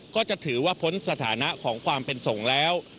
ก็จะถือว่าพ้นสถานะของความเป็นส่งแล้ว